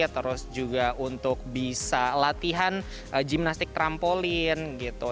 terus juga untuk bisa latihan gimnastik trampolin gitu